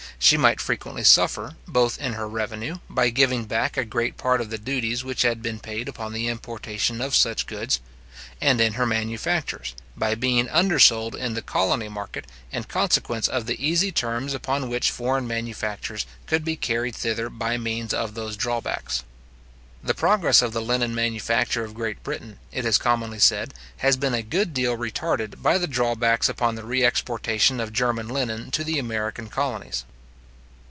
She might frequently suffer, both in her revenue, by giving back a great part of the duties which had been paid upon the importation of such goods; and in her manufactures, by being undersold in the colony market, in consequence of the easy terms upon which foreign manufactures could be carried thither by means of those drawbacks. The progress of the linen manufacture of Great Britain, it is commonly said, has been a good deal retarded by the drawbacks upon the re exportation of German linen to the American colonies.